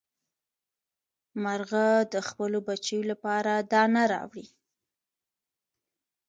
مارغه د خپلو بچیو لپاره دانه راوړي.